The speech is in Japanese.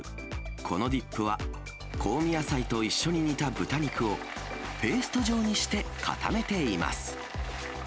このディップは香味野菜と一緒に煮た豚肉を、ペースト状にして固めています。